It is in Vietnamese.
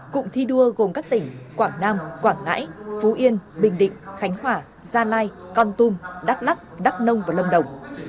cụm thi đua gồm các tỉnh quảng nam quảng ngãi phú yên bình định khánh hòa gia lai con tum đắk lắc đắk nông và lâm đồng